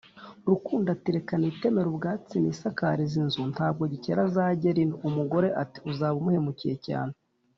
Rukundo ati Reka nitemera ubwatsi, nisakarize inzu, ntabwo Gikeli azagera ino» Umugore ati « uzaba umuhemukiye cyane